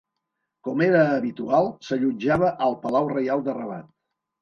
Com era habitual, s'allotjava al palau reial de Rabat.